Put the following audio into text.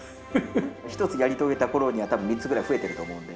１つやり遂げたころには、３つぐらい増えてると思うんで。